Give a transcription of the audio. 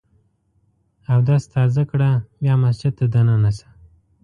اودس تازه کړه ، بیا مسجد ته دننه سه!